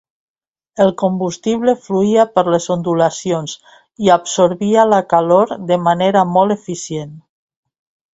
El combustible fluïa per les ondulacions i absorbia la calor de manera molt eficient.